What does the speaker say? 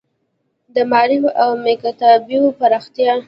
د معارف او مکاتیبو پراختیا.